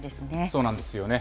そうなんですよね。